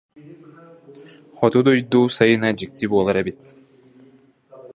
Хоту дойду сайына дьикти буолар эбит